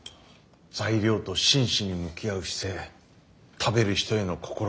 材料と真摯に向き合う姿勢食べる人への心配り